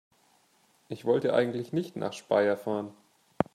Ich wollte eigentlich nicht nach Speyer fahren